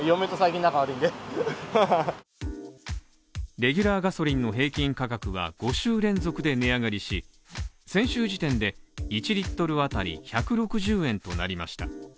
レギュラーガソリンの平均価格が５週連続で値上がりし、先週時点で、１Ｌあたり１６０円となりました。